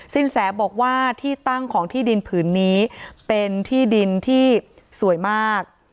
สินแสบอกว่าที่ตั้งของที่ดินผืนนี้เป็นที่ดินที่สวยมาก